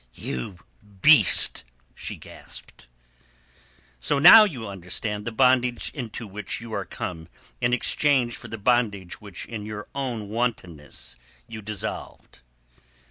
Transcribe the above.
"You beast!" she gasped. "So now you understand the bondage into which you are come in exchange for the bondage which in your own wantonness you dissolved."